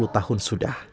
tiga puluh tahun sudah